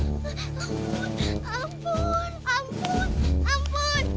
ampun ampun ampun ampun